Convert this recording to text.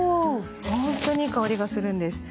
本当にいい香りがするんです。